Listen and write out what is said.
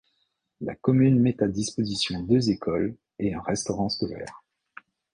La commune met à disposition deux écoles et un restaurant scolaire.